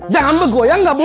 jangan begoyang gak bu